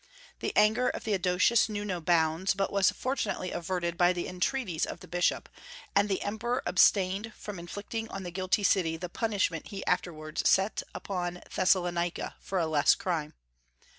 The anger of Theodosius knew no bounds, but was fortunately averted by the entreaties of the bishop, and the emperor abstained from inflicting on the guilty city the punishment he afterwards sent upon Thessalonica for a less crime.